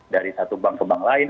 dari satu bank ke bank lain